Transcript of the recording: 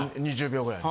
２０秒ぐらい。